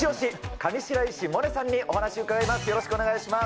上白石萌音さんにお話伺います。